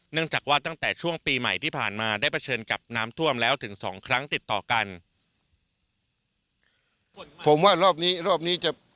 เนื่องจากว่าตั้งแต่ช่วงปีใหม่ที่ผ่านมาได้เผชิญกับน้ำท่วมแล้วถึง๒ครั้งติดต่อกัน